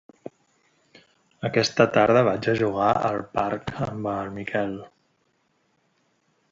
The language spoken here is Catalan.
Aquesta tarda vaig a jugar al parc amb el Miquel.